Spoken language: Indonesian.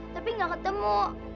tapi gak ketemu